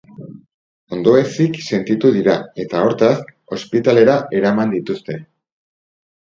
Ondoezik sentitu dira eta, hortaz, ospitalera eraman dituzte.